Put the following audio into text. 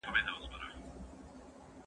کېدای سي کتاب اوږد وي.